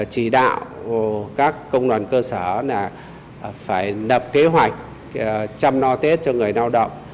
chỉ đạo các công đoàn cơ sở là phải nập kế hoạch chăm lo tết cho người lao động